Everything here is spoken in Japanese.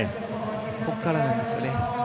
ここからなんですよね。